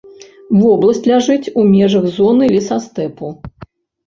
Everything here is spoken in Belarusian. Вобласць ляжыць у межах зоны лесастэпу.